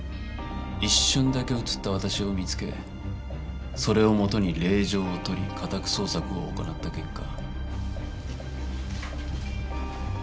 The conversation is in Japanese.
一瞬だけ映った私を見つけそれを元に令状を取り家宅捜索を行った結果。